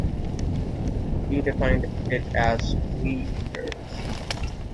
He defined it as "tree eaters".